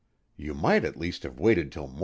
You might at least have waited 'til mornin'.